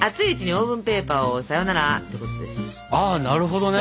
あなるほどね。